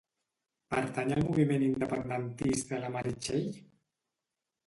Pertany al moviment independentista la Meritxell?